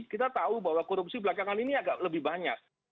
kita tahu bahwa korupsi belakangan ini agak lebih banyak